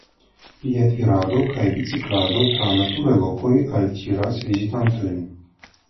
Piedirado kaj biciklado tra naturaj lokoj altiras vizitantojn.